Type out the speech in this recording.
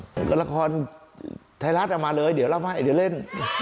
กับละครไทยรัฐเอามาเลยเดี๋ยวเล่าให้เดี๋ยวเล่น